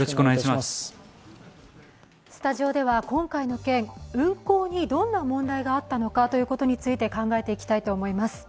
スタジオでは、今回の件、運航にどんな問題があったのかということについて考えていきたいと思います。